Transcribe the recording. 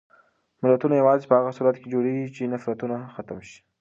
ملتونه یوازې په هغه صورت کې جوړېږي چې نفرتونه ختم شي.